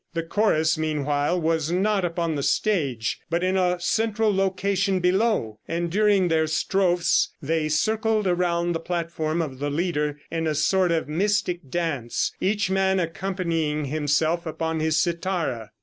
The chorus meanwhile was not upon the stage, but in a central location below, and during their strophes they circled around the platform of the leader in a sort of mystic dance, each man accompanying himself upon his cithara.